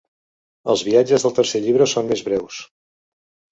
Els viatges del tercer llibre són més breus.